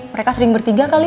mereka sering bertiga kali